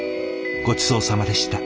ごちそうさまでした。